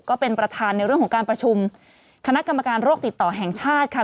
ก็เป็นประธานในเรื่องของการประชุมคณะกรรมการโรคติดต่อแห่งชาติค่ะ